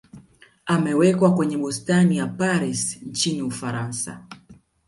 amewekwa kwenye bustani ya paris nchini ufaransa